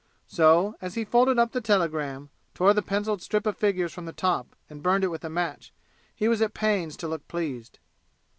So, as he folded up the telegram, tore the penciled strip of figures from the top and burned it with a match, he was at pains to look pleased.